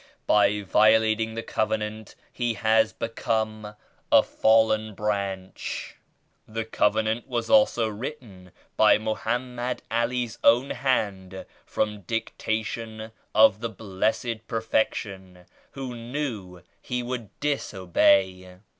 By violating the Covenant he has become a fallen branch. The Covenant was also written by Mohammed All's own hand from dictation of the Blessed Perfection who knew he would disobey.